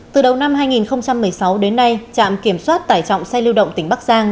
từ đầu năm hai nghìn một mươi sáu đến nay trạm kiểm soát tải trọng xe lưu động tỉnh bắc giang